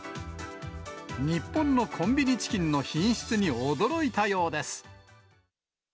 日本のコンビニチキンの品質に驚いたようです。